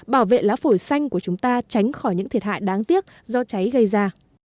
bảo vệ lá phổi xanh của chúng ta tránh khỏi những thiệt hại đáng tiếc do cháy gây ra